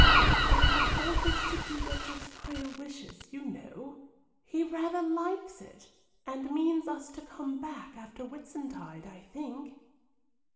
"I have always to do what Josiah wishes, you know; he rather likes it, and means us to come back after Whitsuntide, I think."